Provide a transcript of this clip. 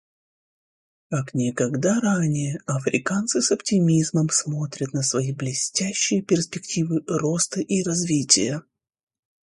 Как никогда ранее африканцы с оптимизмом смотрят на свои блестящие перспективы роста и развития.